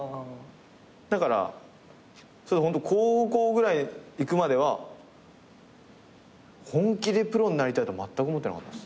だから高校ぐらい行くまでは本気でプロになりたいってまったく思ってなかったっす。